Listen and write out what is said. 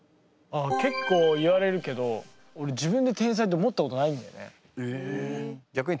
けっこう言われるけどおれ自分で天才って思ったことないんだよね。